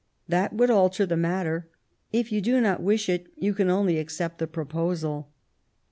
That would alter the matter ; if you do not wish it, you can only accept the proposal."